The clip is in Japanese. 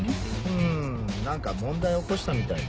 うん何か問題を起こしたみたいで。